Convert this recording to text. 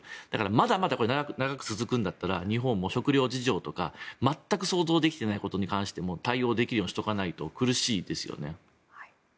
だからまだまだ長く続くんだったら日本も食料事情とか全く想像できていないことに関しても対応できるようにしていかないと苦しいですよね。